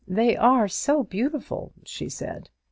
"They are so beautiful!" she said.